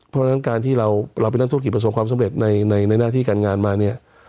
เพราะฉะนั้นการที่เราเป็นนักธุรกิจประสบความสำเร็จในหน้าที่การงานมาเนี่ย